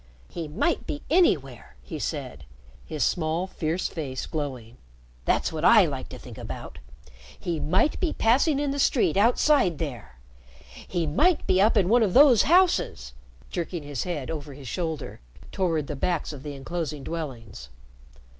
"He might be anywhere," he said, his small fierce face glowing. "That's what I like to think about. He might be passing in the street outside there; he might be up in one of those houses," jerking his head over his shoulder toward the backs of the inclosing dwellings.